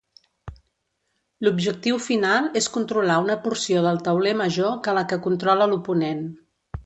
L'objectiu final és controlar una porció del tauler major que la que controla l'oponent.